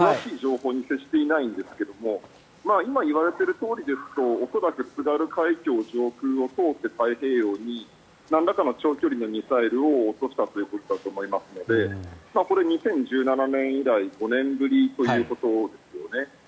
私、今、出先なもので詳しい情報に接していないんですが今、言われているとおりですと恐らく津軽海峡を通って太平洋になんらかの長距離にミサイルを落としたということだと思いますので２０１７年以来５年ぶりということですよね。